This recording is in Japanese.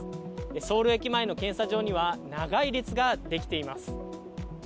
ソウル駅前の検査場には、長い列が出来ています。